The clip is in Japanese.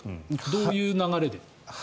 どういう流れで。